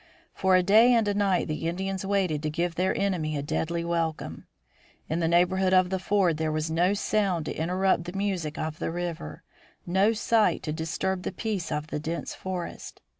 For a day and a night the Indians waited to give their enemy a deadly welcome. In the neighborhood of the ford there was no sound to interrupt the music of the river, no sight to disturb the peace of the dense forest.